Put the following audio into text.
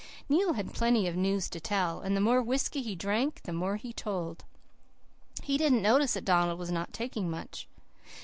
"Neil had plenty of news to tell. And the more whisky he drank the more he told. He didn't notice that Donald was not taking much.